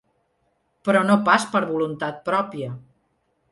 Però no pas per voluntat pròpia.